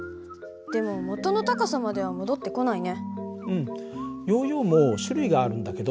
でも元の高さまでは戻ってこないね。